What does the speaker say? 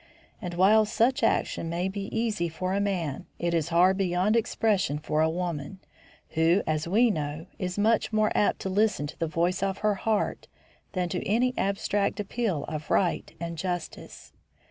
And while such action may be easy for a man, it is hard beyond expression for a woman, who, as we know, is much more apt to listen to the voice of her heart than to any abstract appeal of right and justice.